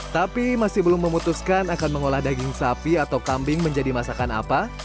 tapi masih belum memutuskan akan mengolah daging sapi atau kambing menjadi masakan apa